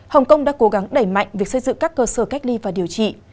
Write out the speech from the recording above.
hồng kông đã cố gắng đẩy mạnh việc xây dựng các cơ sở cách ly và điều trị